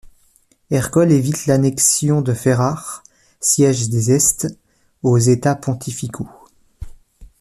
Ercole évite l'annexion de Ferrare, siège des Este, aux États pontificaux.